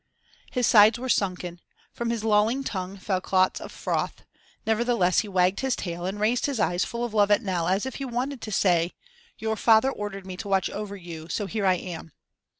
His sides were sunken, from his lolling tongue fell clots of froth; nevertheless he wagged his tail and raised his eyes full of love at Nell as if he wanted to say: "Your father ordered me to watch over you, so here I am."